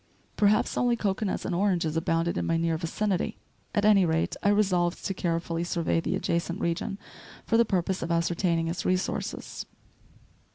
Perhaps only cocoanuts and oranges abounded in my near vicinity; at any rate, I resolved to carefully survey the adjacent region for the purpose of ascertaining its resources.